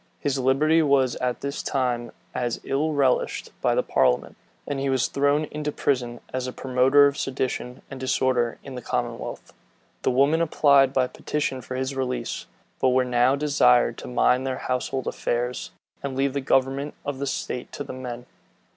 His liberty was at this time as ill relished by the parliament; and he was thrown into prison, as a promoter of sedition and disorder in the commonwealth. The women applied by petition for his release; but were now desired to mind their household affairs, and leave the government of the state to the men.